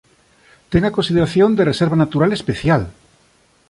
Ten a consideración de reserva natural especial.